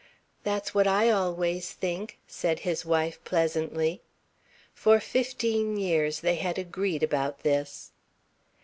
"That's what I always think," said his wife pleasantly. For fifteen years they had agreed about this.